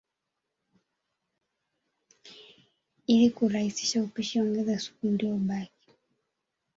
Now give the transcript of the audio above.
Ili kurahisisha upishi ongeza supu iliyobaki